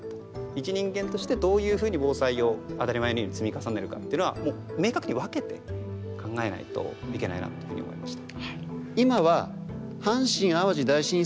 いち人間としてどういうふうに防災を当たり前のように積み重ねるかっていうのは明確に分けて考えないといけないなというふうに思いました。